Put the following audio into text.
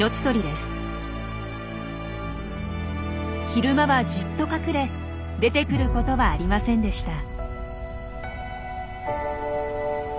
昼間はじっと隠れ出てくることはありませんでした。